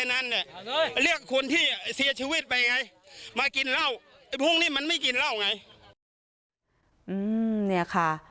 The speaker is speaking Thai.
นี่ค่ะ